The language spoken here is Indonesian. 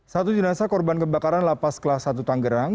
satu jenazah korban kebakaran lapas kelas satu tanggerang